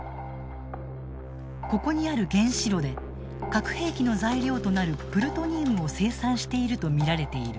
ここにある原子炉で核兵器の材料となるプルトニウムを生産していると見られている。